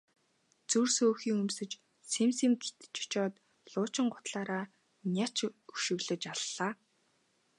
Зүр сөөхий өмсөж сэм сэм гэтэж очоод луучин гутлаараа няц өшиглөж аллаа.